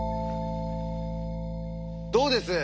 どうです？